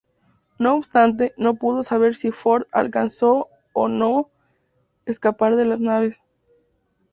No obstante, no pudo saber si Ford alcanzó o no escapar de las naves.